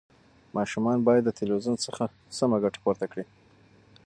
ماشومان باید د تلویزیون څخه سمه ګټه پورته کړي.